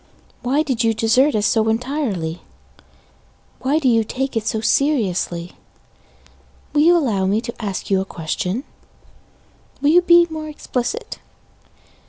Why did you desert us so entirely? Why do you take it so seriously? Will you allow me to ask you a question? Will you be more explicit?